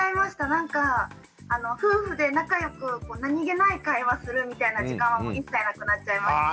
なんか夫婦で仲良く何気ない会話するみたいな時間は一切なくなっちゃいましたね。